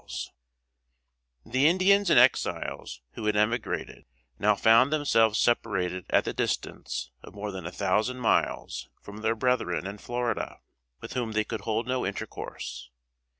] The Indians and Exiles who had emigrated, now found themselves separated at the distance of more than a thousand miles from their brethren in Florida, with whom they could hold no intercourse.